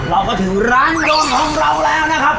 เราก็ถึงร้านยงของเราแล้วนะครับ